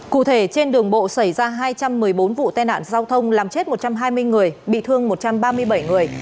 cụ thể trên đường bộ xảy ra hai trăm một mươi bốn vụ tai nạn giao thông làm chết một trăm hai mươi người bị thương một trăm ba mươi bảy người